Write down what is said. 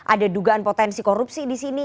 ada dugaan potensi korupsi di sini